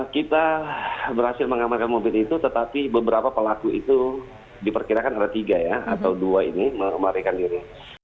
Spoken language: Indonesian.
kita berhasil mengamankan mobil itu tetapi beberapa pelaku itu diperkirakan ada tiga ya atau dua ini memarikan diri